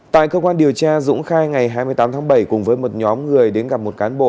tại cơ quan điều tra dũng khai ngày hai mươi tám tháng bảy cùng với một nhóm người đến gặp một cán bộ